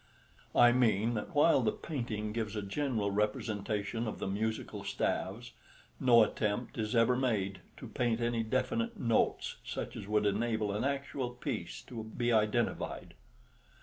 I mean that while the painting gives a general representation of the musical staves, no attempt is ever made to paint any definite notes such as would enable an actual piece to be identified.